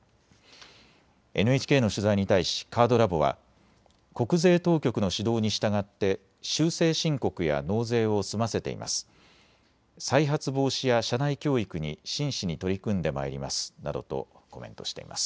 ＮＨＫの取材に対しカードラボは国税当局の指導に従って修正申告や納税を済ませています。